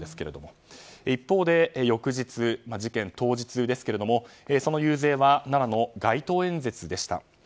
一方で、翌日、事件当日ですがその遊説は奈良の街頭演説でした。